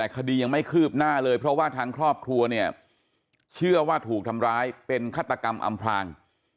คดียังไม่คืบหน้าเลยเพราะว่าทางครอบครัวเนี่ยเชื่อว่าถูกทำร้ายเป็นฆาตกรรมอำพลาง